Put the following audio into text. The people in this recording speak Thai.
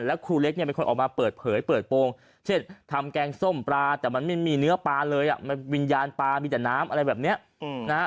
แล้วครูเล็กเนี่ยเป็นคนออกมาเปิดเผยเปิดโปรงเช่นทำแกงส้มปลาแต่มันไม่มีเนื้อปลาเลยอ่ะวิญญาณปลามีแต่น้ำอะไรแบบนี้นะฮะ